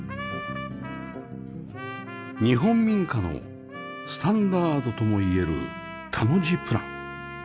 日本民家のスタンダードともいえる田の字プラン